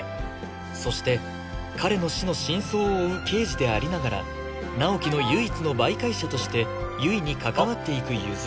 そして彼の死の真相を追う刑事でありながら直木の唯一の媒介者として悠依に関わっていく譲